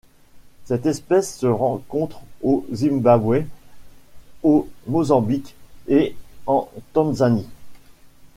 Cette espèce se rencontre au Zimbabwe, au Mozambique et en Tanzanie.